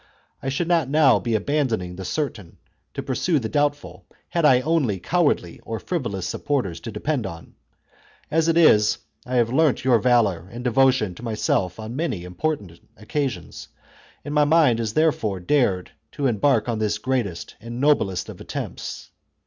I should not now be abandoning the certain to pursue the doubtful had I only cowardly or frivolous supporters to depend on. As it is, I have learnt your valour and devotion to myself on many important occasions, and my mind has there fore dared to embark on this greatest and noblest of attempts.